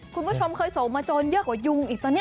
คุณผู้ชมเคยส่งมาโจรเยอะกว่ายุงอีกตอนนี้